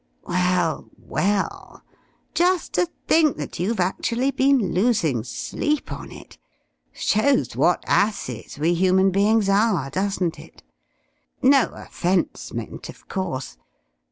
"Well, well, just to think that you've actually been losing sleep on it! Shows what asses we human beings are, doesn't it? No offence meant, of course.